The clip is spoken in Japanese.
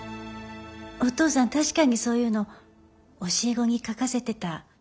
お父さん確かにそういうの教え子に書かせてた。